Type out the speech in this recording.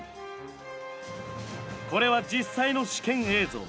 これは実際の試験映像。